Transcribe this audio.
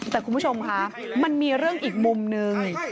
แต่คุณผู้ชมคะมันมีเรื่องอีกมุมนึง